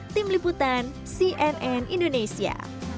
tim liputan cnn indonesia